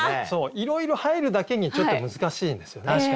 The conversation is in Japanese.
いろいろ入るだけにちょっと難しいんですよね。